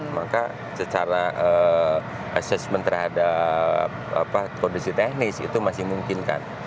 maka secara assessment terhadap kondisi teknis itu masih mungkin kan